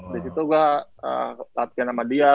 disitu gue latihan sama dia